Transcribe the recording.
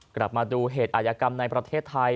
กลับมาดูเหตุอายกรรมในประเทศไทย